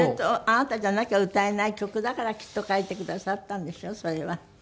あなたじゃなきゃ歌えない曲だからきっと書いてくださったんでしょそれは。